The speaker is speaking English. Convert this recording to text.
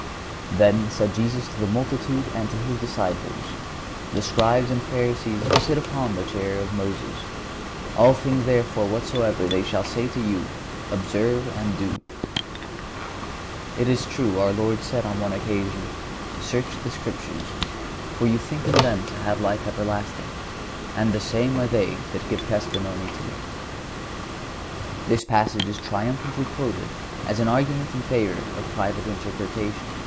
"Then said Jesus to the multitudes and to His disciples: The Scribes and Pharisees sit upon the chair of Moses. All things therefore whatsoever they shall say to you, observe and do."(137) It is true our Lord said on one occasion "Search the Scriptures, for you think in them to have life everlasting, and the same are they that give testimony to Me."(138) This passage is triumphantly quoted as an argument in favor of private interpretation.